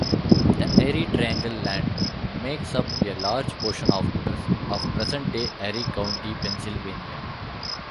The Erie Triangle land makes up a large portion of present-day Erie County, Pennsylvania.